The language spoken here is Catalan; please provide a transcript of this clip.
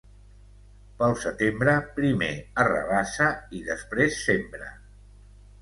Pel setembre, primer arrabassa i després sembra.